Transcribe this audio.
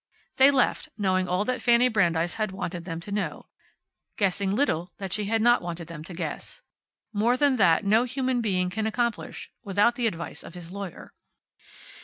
They left, knowing all that Fanny Brandeis had wanted them to know; guessing little that she had not wanted them to guess. More than that no human being can accomplish, without the advice of his lawyer.